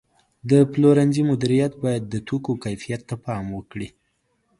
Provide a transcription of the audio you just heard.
د پلورنځي مدیریت باید د توکو کیفیت ته پام وکړي.